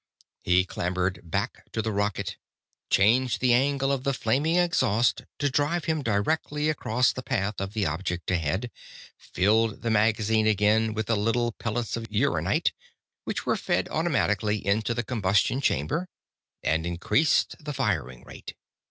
He clambered back to the rocket, changed the angle of the flaming exhaust, to drive him directly across the path of the object ahead, filled the magazine again with the little pellets of uranite, which were fed automatically into the combustion chamber, and increased the firing rate.